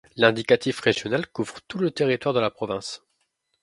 L'indicatif régional couvre tout le territoire de la province.